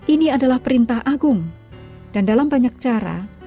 ini adalah perintah agung dan dalam banyak cara